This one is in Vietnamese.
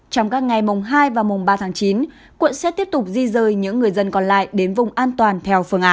trong các ngày mùng hai và mùng ba tháng chín quận sẽ tiếp tục di rời những người dân còn lại đến vùng an toàn theo phương án